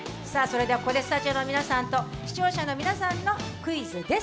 ここでスタジオの皆さんと視聴者の皆さんにクイズです。